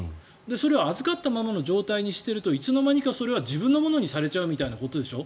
それを預かったままの状態にしておくと、いつの間にか自分のものにされちゃうみたいなことでしょ？